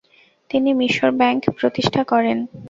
তিনি মিশর ব্যাংক প্রতিষ্ঠা করেন।